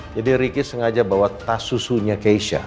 jadi ricky sengaja bawa tas susunya keisha